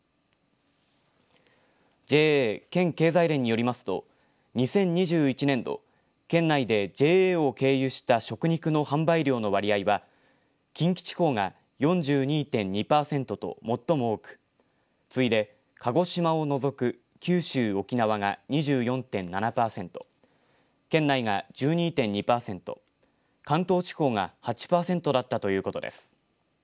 ＪＡ県経済連によりますと２０２１年度県内でＪＡを経由した食肉の販売量の割合は近畿地方が４２．２パーセントと最も多く次いで鹿児島を除く九州、沖縄が２４．７パーセント県内が１２．２パーセント関東地方が８パーセントだったということです。